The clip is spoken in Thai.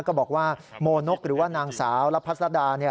ก็บอกว่าโมนกหรือว่านางสาวละพัสดา